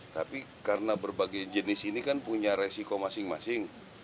tapi karena berbagai jenis ini kan punya resiko masing masing